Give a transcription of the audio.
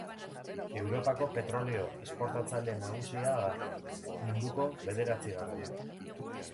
Europako petrolio esportatzaile nagusia da, munduko bederatzigarrena.